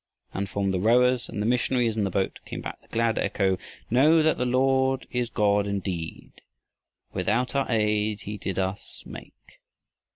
and from the rowers and the missionaries in the boat, came back the glad echo: Know that the Lord is God indeed Without our aid he did us make.